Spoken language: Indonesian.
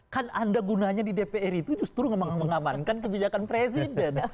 kan anda gunanya di dpr itu justru mengamankan kebijakan presiden